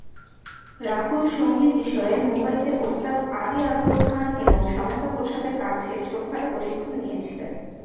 রাহুল সঙ্গীত বিষয়ে মুম্বাইতে ওস্তাদ আলী আকবর খান এবং সমতা প্রসাদের কাছে ছোটোখাটো প্রশিক্ষণ নিয়েছিলেন।